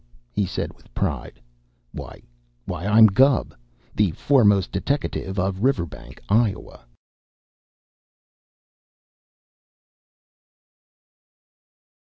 he said with pride. "Why why I'm Gubb, the foremost deteckative of Riverbank, Iowa."